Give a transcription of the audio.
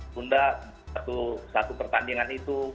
tunda satu pertandingan itu